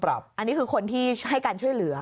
อันนี้คือคนที่ให้การช่วยเหลือ